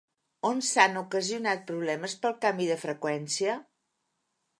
On s'han ocasionat problemes pel canvi de freqüència?